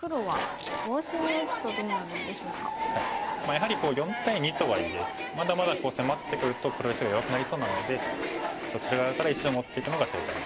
やはり４対２とはいえまだまだ迫ってくると黒石が弱くなりそうなのでこちら側から石を持っていくのが正解になります。